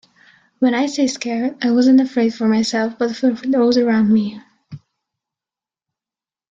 When I say scared, I wasn't afraid for myself, but for those around me.